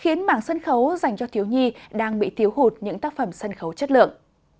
khiến mảng sân khấu dành cho thiếu nhi đang bị thiếu hụt những tác phẩm sân khấu chất lượng